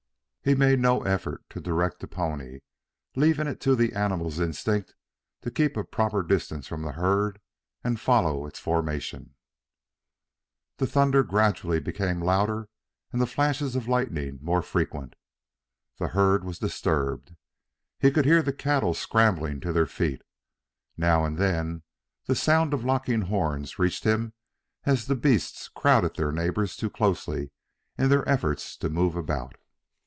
He made no effort to direct the pony, leaving it to the animal's instinct to keep a proper distance from the herd and follow its formation. The thunder gradually became louder and the flashes of lightning more frequent. The herd was disturbed. He could hear the cattle scrambling to their feet. Now and then the sound of locking horns reached him as the beasts crowded their neighbors too closely in their efforts to move about.